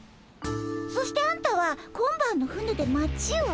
そしてあんたは今晩の船で町を出る。